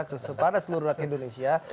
kepada seluruh rakyat indonesia